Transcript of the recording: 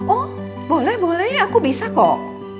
oh boleh boleh aku bisa kok